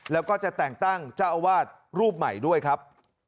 แล้วก็จะแต่งตั้งเจ้าอาวาสรูปใหม่ด้วยครับ